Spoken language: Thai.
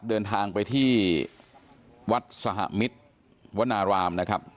เดินทางไปที่วัดสหมิตรวนารามนะครับ